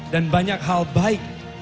dan banyak hal baik